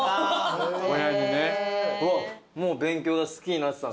もう勉強が好きになってたんですね。